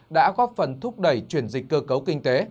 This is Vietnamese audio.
đã góp phần thúc đẩy chuyển dịch cơ cấu kinh tế